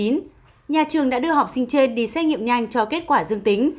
nhà trường đã đưa học sinh trên đi xét nghiệm nhanh cho kết quả dương tính